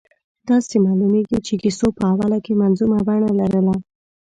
داسې معلومېږي چې کیسو په اوله کې منظومه بڼه لرله.